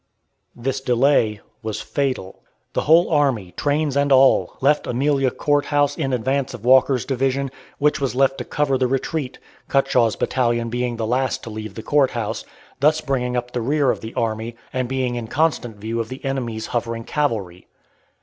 This delay was fatal. The whole army trains and all left Amelia Court House in advance of Walker's division, which was left to cover the retreat, Cutshaw's battalion being the last to leave the court house, thus bringing up the rear of the army, and being in constant view of the enemy's hovering cavalry.